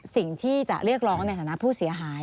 สิ่งที่จะเรียกร้องในฐานะผู้เสียหาย